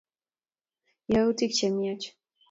yautik chemyach